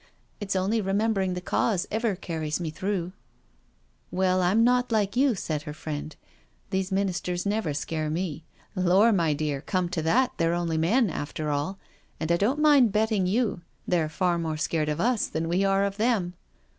It*s only remembering the Cause ever carries me through. •• Well, I'm not like you, said her friend. •* These Ministers never scare me. Lor', my dear, come to that they're only men, after all— and I don*t mind betting you they're far more scared of us than we are of them.